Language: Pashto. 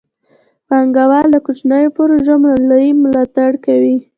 پانګه وال د کوچنیو پروژو مالي ملاتړ کوي.